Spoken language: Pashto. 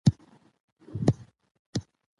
ایا موږ کولای شو د خوړو په بدلولو بدن بوی کنټرول کړو؟